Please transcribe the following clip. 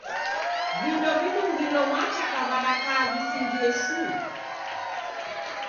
Vindo vidungilo mwachaka vadakaa visingie shuu.